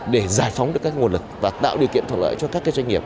để giải phóng được các nguồn lực và tạo điều kiện thuận lợi cho các doanh nghiệp